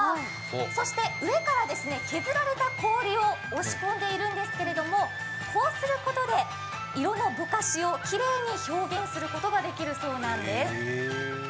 そして上から削られた氷を押し込んでいるんですけれども、こうすることで色のぼかしをきれいに表現することができるそうなんです。